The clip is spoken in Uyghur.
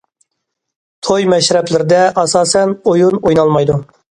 توي مەشرەپلىرىدە ئاساسەن ئويۇن ئوينالمايدۇ.